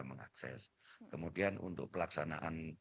mengakses kemudian untuk pelaksanaan